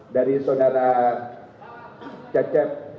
dari saudara cecep